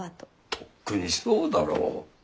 とっくにそうだろう？